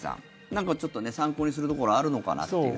なんかちょっと参考にするところはあるのかなという。